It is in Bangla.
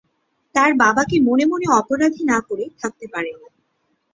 তার বাবাকে মনে মনে অপরাধী না করে থাকতে পারে নি।